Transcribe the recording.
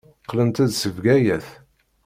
Qqlent-d seg Bgayet.